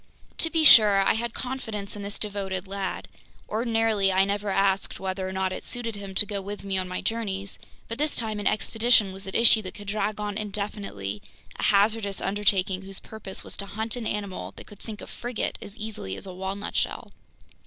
To be sure, I had confidence in this devoted lad. Ordinarily, I never asked whether or not it suited him to go with me on my journeys; but this time an expedition was at issue that could drag on indefinitely, a hazardous undertaking whose purpose was to hunt an animal that could sink a frigate as easily as a walnut shell!